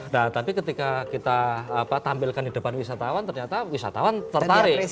nah tapi ketika kita tampilkan di depan wisatawan ternyata wisatawan tertarik